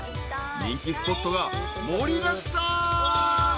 ［人気スポットが盛りだくさん］